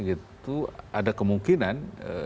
itu ada kemungkinan